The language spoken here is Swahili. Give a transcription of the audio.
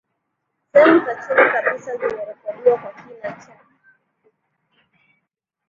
Sehemu za chini kabisa zimerekodiwa kwa kina cha